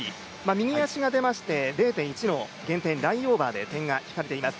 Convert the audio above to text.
右足が出まして、０．１の減点、ラインオーバーで点を引かれています。